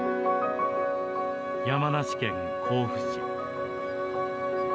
山梨県甲府市。